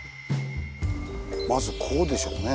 まずこうでしょうね。